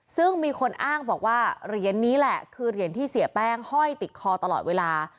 ซึ่งมีคนอ้างบอกว่าเหรียญนี้แหละคือเหรียญที่เสียแป้งห้อยติดคอตลอดเวลา